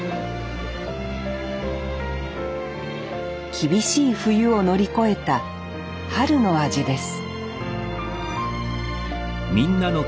厳しい冬を乗り越えた春の味です